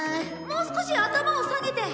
もう少し頭を下げて！